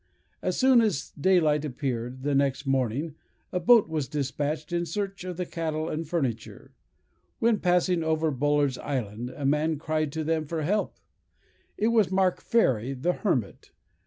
As soon as day light appeared, the next morning, a boat was despatched in search of the cattle and furniture; when, passing over Bullard's Island, a man cried to them for help. It was Mark Ferry, the hermit.